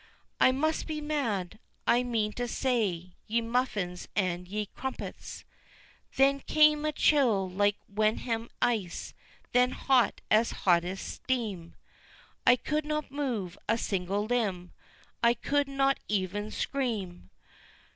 I must be mad! I mean to say ye muffins and ye crumpets! Then came a chill like Wenham ice; then hot as hottest steam; I could not move a single limb! I could not even scream!